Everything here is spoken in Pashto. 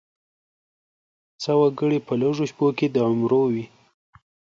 څه وګړي په لږو شپو کې د عمرو وي.